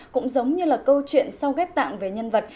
cũng giống như là câu chuyện sau ghép tạng về nhân vật